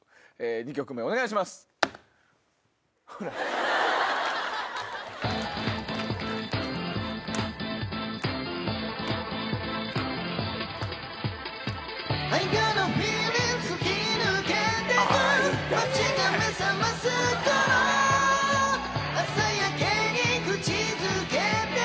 ２曲目お願いします。あいたね！